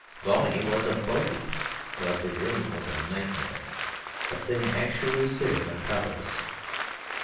Boney was a bogey; but the German was a nightmare, a thing actually sitting on top of us.